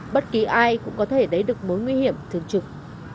bất kỳ ai cũng có thể lấy được mối nguy hiểm thường trực